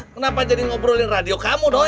kenapa jadi berbicara dengan radio kamu doi